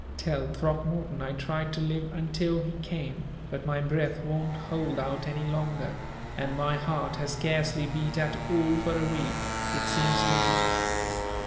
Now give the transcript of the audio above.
"Tell Throckmorton I tried to live until he came, but my breath won't hold out any longer, and my heart has scarcely beat at all for a week, it seems to me."